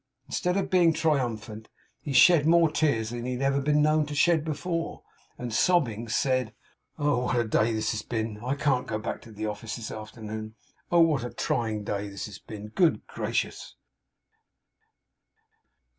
Instead of being triumphant, he shed more tears than he had ever been known to shed before; and, sobbing, said: 'Oh! what a day this has been! I can't go back to the office this afternoon. Oh, what a trying day this has been! Good Gracious!